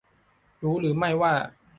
รู้หรือไม่ว่า